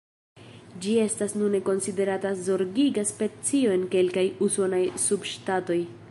Ĝi estas nune konsiderata zorgiga specio en kelkaj usonaj subŝtatoj.